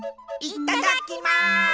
いただきます！